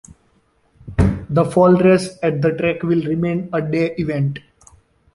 The fall race at the track will remain a day event.